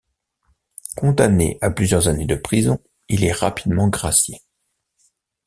Condamné à plusieurs années de prison, il est rapidement gracié.